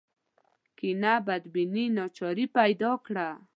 کینه بدبیني ناچاري پیدا کړه